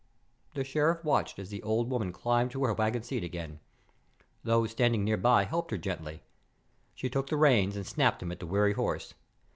The Sheriff watched as the old woman climbed to her wagon seat again. Those standing nearby helped her gently. She took the reins and snapped them at the weary horse.